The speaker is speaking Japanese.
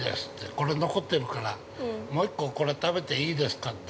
これ、残ってるからもう一個これ食べていいですかって。